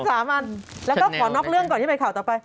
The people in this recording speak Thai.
แล้วก็ขอนอกเรื่องก่อนที่ไปข่าวต่อไป